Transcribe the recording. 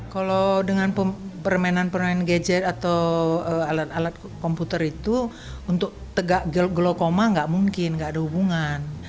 kalau dengan permainan gadget atau alat alat komputer itu untuk tegak glukoma gak mungkin gak ada hubungan